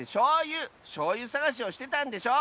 しょうゆさがしをしてたんでしょ！